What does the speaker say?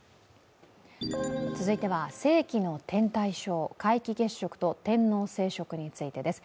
続いては世紀の天体ショー皆既月食と天王星食についてです。